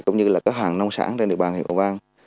cũng như là các hàng nông sản trên địa bàn huyện cầu vang